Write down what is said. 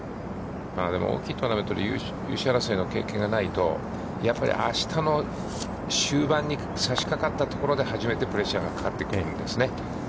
でも、大きいトーナメントで優勝争いの経験がないと、やっぱりあしたの終盤に差しかかったところで、初めてプレッシャーがかかってくるんですね。